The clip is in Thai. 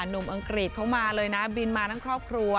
อังกฤษเขามาเลยนะบินมาทั้งครอบครัว